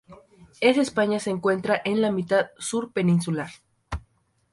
Es España se encuentra en la mitad sur peninsular.